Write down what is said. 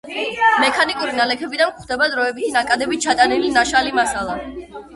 მექანიკური ნალექებიდან გვხვდება დროებითი ნაკადებით ჩატანილი ნაშალი მასალა.